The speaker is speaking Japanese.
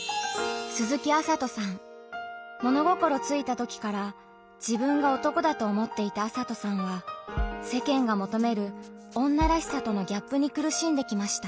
物心ついたときから自分が男だと思っていた麻斗さんは世間が求める「女らしさ」とのギャップに苦しんできました。